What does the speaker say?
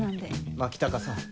牧高さん。